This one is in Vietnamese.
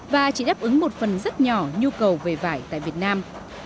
và chỉ đáp ứng một phần rất nhỏ nhu cầu về vải tại việt nam